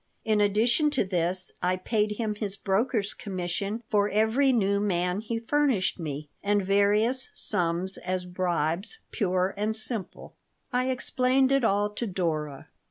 In addition to this, I paid him his broker's commission for every new man he furnished me, and various sums as bribes pure and simple I explained it all to Dora.